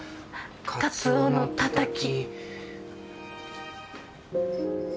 カツオのたたき。